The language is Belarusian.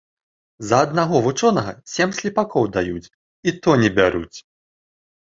За аднаго вучонага сем слепакоў даюць, і то не бяруць